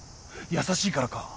優しいからか？